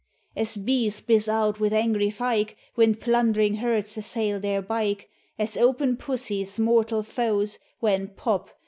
As bees bizz out wi' angry fyke, When plundering herds assail their byke ; As open pussie's mortal foes, When, pop